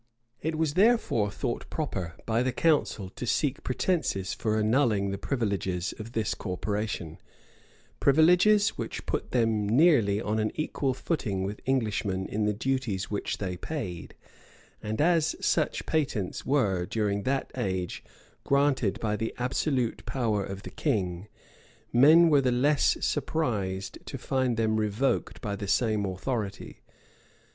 It was therefore thought proper by the council to seek pretences for annulling the privileges of this corporation, privileges which put them nearly on an equal footing with Englishmen in the duties which they paid; and as such patents were, during that age, granted by the absolute power of the king, men were the less surprised to find them revoked by the same authority.